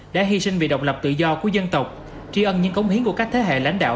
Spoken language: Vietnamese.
đã hy sinh vì độc lập tự do của dân tộc tri ân những cống hiến của các thế hệ lãnh đạo